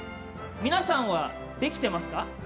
皆さんはできていますか？